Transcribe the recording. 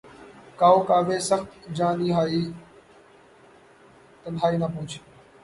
کاؤ کاوِ سخت جانیہائے تنہائی، نہ پوچھ